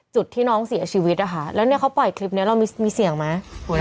จุดที่น้องเสียชีวิตนะคะแล้วเนี่ยเขาปล่อยคลิปนี้เรามีเสียงไหม